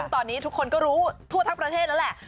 ซึ่งตอนนี้ทุกคนก็รู้ทั่วทั้งประเทศแล้วแหละ